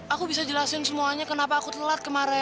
aku bisa jelasin semuanya kenapa aku telat kemarin